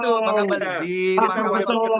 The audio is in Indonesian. tuduhannya begitu bang abalin